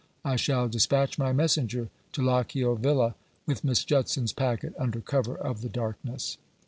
I shall despatch my messenger to Lochiel Villa, with Miss Judson's packet, under cover of the darkness.